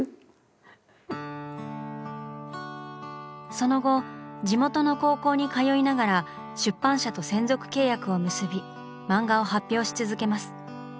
その後地元の高校に通いながら出版社と専属契約を結び漫画を発表し続けます。